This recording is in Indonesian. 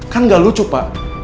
kan gak lucu pak